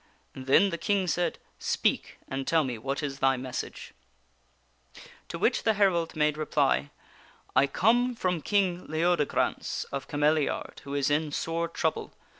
" Then the King said: "Speak, and tell me, what is thy message ?" To which the herald made reply :" I come from King Leodegrance of Cameliard, who is in sore trouble.